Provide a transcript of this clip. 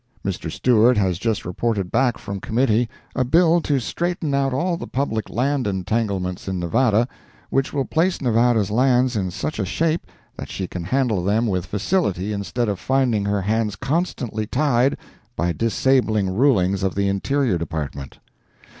Mr. Stewart has just reported back from committee a bill to straighten out all public land entanglements in Nevada, which will place Nevada's lands in such a shape that she can handle them with facility instead of finding her hands constantly tied by disabling rulings of the Interior Department.